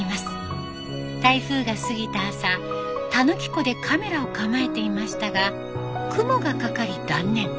台風が過ぎた朝田貫湖でカメラを構えていましたが雲がかかり断念。